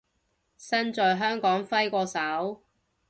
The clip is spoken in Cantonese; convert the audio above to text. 身在香港揮個手